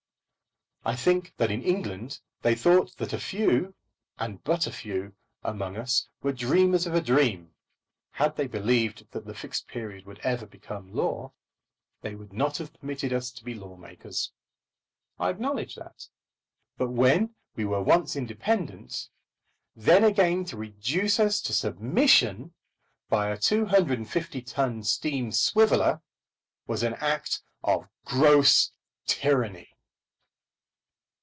I think that in England they thought that a few, and but a few, among us were dreamers of a dream. Had they believed that the Fixed Period would ever have become law, they would not have permitted us to be law makers. I acknowledge that. But when we were once independent, then again to reduce us to submission by a 250 ton steam swiveller was an act of gross tyranny.